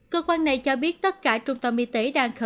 cơ quan này cho biết tất cả trung tâm y tế đang khẩn